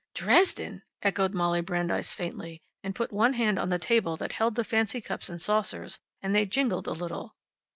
"Dresden!" echoed Molly Brandeis faintly, and put one hand on the table that held the fancy cups and saucers, and they jingled a little.